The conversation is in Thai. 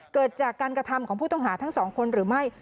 เกิดจากการกระทำของผู้ต้องหาทั้งสองคนหรือไม่